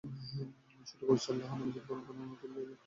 শুরু করছি আল্লাহর নামে যিনি পরম করুণাময়, অতীব দয়ালু।